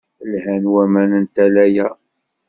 Lhan waman n tala-a.